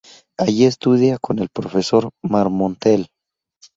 Allí estudia con el profesor Marmontel.